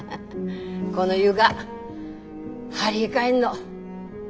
この床張り替えんの。